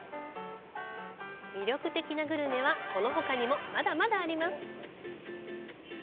魅力的なグルメは、このほかにもまだまだあります。